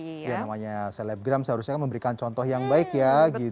ya namanya selebgram seharusnya kan memberikan contoh yang baik ya